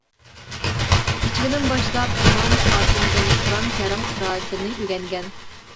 كىچىكىدىن باشلاپ ئىمام ئاسىمدىن قۇرئان كەرىم قىرائىتىنى ئۆگەنگەن.